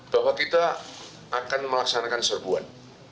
bahwa kita akan melaksanakan serbuan